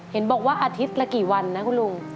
เห็นบอกว่าอาทิตย์ละกี่วันนะคุณลุง